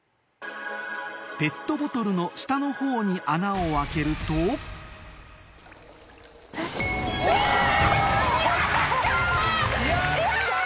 ペットボトルの下の方に穴を開けるとイェイ！